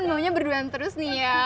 maunya berduan terus nih ya